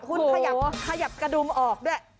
คุณขยับกระดุมออกด้วย